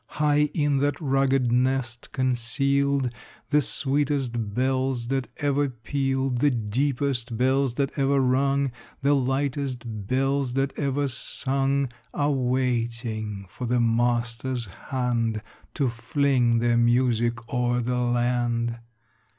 High in that rugged nest concealed, The sweetest bells that ever pealed, The deepest bells that ever rung, The lightest bells that ever sung, Are waiting for the master's hand To fling their music o'er the land.